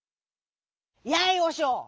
「やいおしょう！